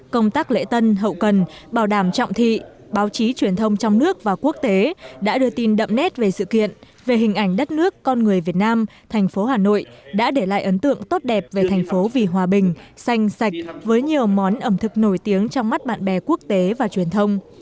công tác lễ tân hậu cần bảo đảm trọng thị báo chí truyền thông trong nước và quốc tế đã đưa tin đậm nét về sự kiện về hình ảnh đất nước con người việt nam thành phố hà nội đã để lại ấn tượng tốt đẹp về thành phố vì hòa bình xanh sạch với nhiều món ẩm thực nổi tiếng trong mắt bạn bè quốc tế và truyền thông